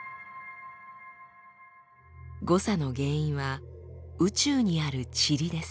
誤差の原因は宇宙にあるチリです。